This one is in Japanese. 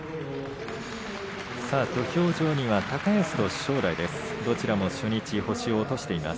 土俵上は高安と正代です。